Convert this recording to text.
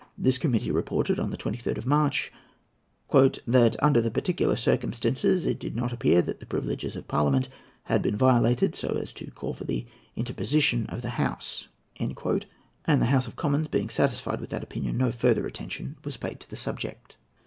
This committee reported, on the 23rd of March, "that, under the particular circumstances, it did not appear that the privileges of Parliament had been violated, so as to call for the interposition of the House;" and the House of Commons being satisfied with that opinion, no further attention was paid to the subject.